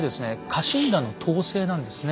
家臣団の統制なんですね。